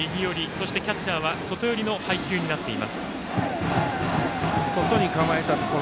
そしてキャッチャーは外寄りの配球になっています。